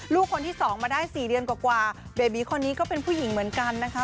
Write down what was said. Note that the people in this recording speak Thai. ลูกคนที่สองมาได้๔เดือนกว่าเบบีคนนี้ก็เป็นผู้หญิงเหมือนกันนะคะ